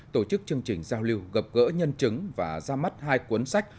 tổ chức chương trình giao lưu gặp gỡ nhân chứng và ra mắt hai cuốn sách